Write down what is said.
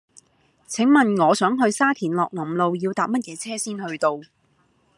請問我想去沙田樂林路要搭乜嘢車先去到